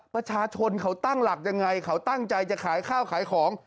ประชาชนเขาตั้งหลักยังไงเขาตั้งใจจะขายข้าวขายของ